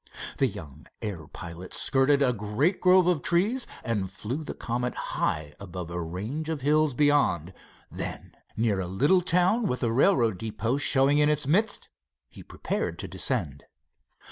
The young air pilot skirted a great grove of trees and flew the Comet high above a range of hills beyond. Then, near a little town with a railroad depot showing in its midst, he prepared to descend.